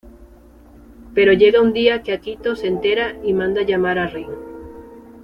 Pero llega un día que Akito se entera y manda llamar a Rin.